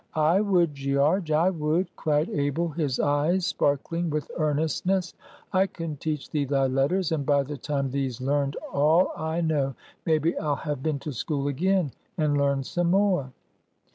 "I would, Gearge, I would!" cried Abel, his eyes sparkling with earnestness. "I can teach thee thy letters, and by the time thee's learned all I know, maybe I'll have been to school again, and learned some more."